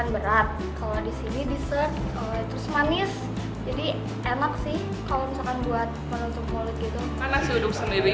biasanya kan nasi uduk makanan berat